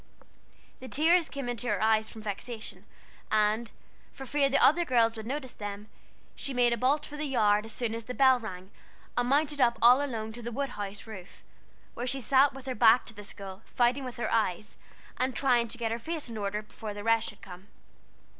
The tears came into her eyes from vexation; and, for fear the other girls would notice them, she made a bolt for the yard as soon as the bell rang, and mounted up all alone to the wood house roof, where she sat with her back to the school, fighting with her eyes, and trying to get her face in order before the rest should come.